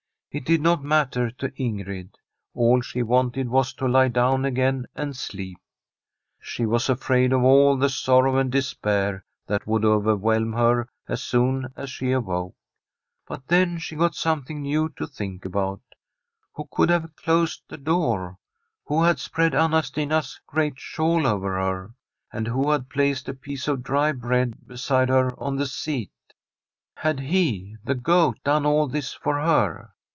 It did not matter to Ingrid ; all she wanted was to lie down again and sleep. She was afraid of all the sorrow and despair that would overwhelm her as soon as she awoke. But then she got something new to think about. Who could have closed the door? who had spread Anna Stina's great shawl over her? and who had placed a piece of dry bread beside her on the seat ? Had he, the Goat, done [6i] From d SWEDISH HOMESTEAD all this for her?